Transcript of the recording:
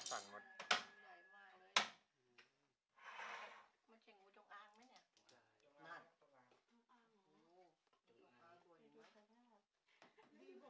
มันใช่งูจงอ้างมั้ยเนี่ย